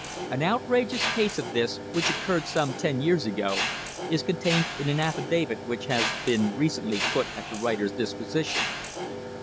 An outrageous case of this, which oc curred some ten years ago, is contained in an affidavit which has been recently put at the writer's disposition.